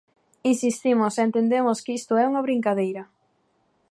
Insistimos e entendemos que isto é unha brincadeira.